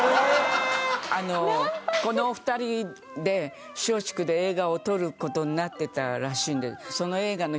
あのこのお二人で松竹で映画を撮る事になってたらしいんで。